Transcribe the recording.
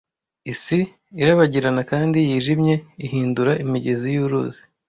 Isi irabagirana kandi yijimye ihindura imigezi y'uruzi!